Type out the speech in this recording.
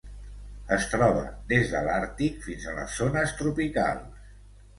Es troba des de l'Àrtic fins a les zones tropicals.